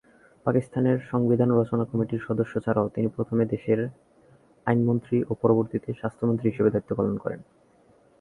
পাকিস্তানের সংবিধান রচনা কমিটির সদস্য ছাড়াও তিনি প্রথমে দেশটির আইনমন্ত্রী ও পরবর্তীতে স্বাস্থ্যমন্ত্রী হিসাবে দায়িত্ব পালন করেন।